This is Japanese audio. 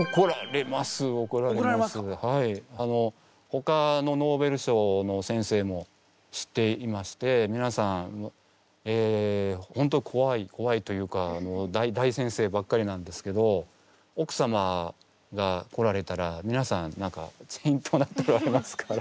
ほかのノーベル賞の先生も知っていましてみなさんホントこわいこわいというか大先生ばっかりなんですけど奥様が来られたらみなさんけんきょになっておられますから。